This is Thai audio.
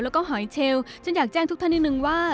แล้วก็หอยเชลฉันอยากแจ้งทุกท่านนิดนึงว่า